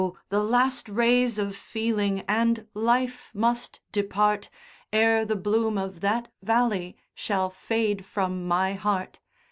the last rays of feeling and life must depart, Ere the bloom of that valley shall fade from my heart.